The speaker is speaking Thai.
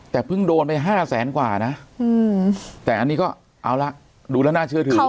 แต่เพิ่งโดนไป๕แสนกว่านะแต่อันนี้ก็เอาละดูแล้วน่าเชื่อถือ